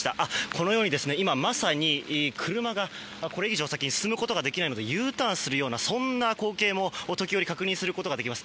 このように、今まさに車がこれ以上先に進むことができないのでＵターンするような光景も時折確認することができます。